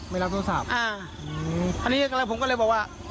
ไม่รับโทรศัพท์อ่าอันนี้แล้วผมก็เลยบอกว่า